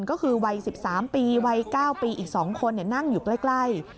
ก็คือวัย๑๓ปีวัย๙ปีอีก๒คนนั่งอยู่ใกล้